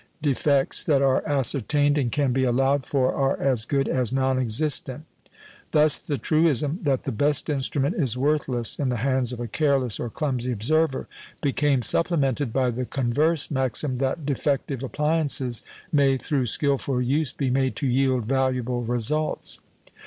Defects that are ascertained and can be allowed for are as good as non existent. Thus the truism that the best instrument is worthless in the hands of a careless or clumsy observer, became supplemented by the converse maxim, that defective appliances may, through skilful use, be made to yield valuable results.